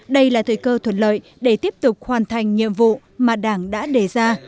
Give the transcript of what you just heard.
đây là thời cơ thuận lợi để tiếp tục hoàn thành nhiệm vụ mà đảng đã đề ra